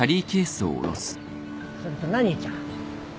それとな兄ちゃん。